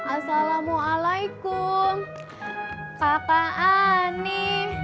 assalamualaikum papa ani